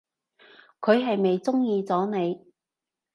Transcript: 佢係咪中意咗你？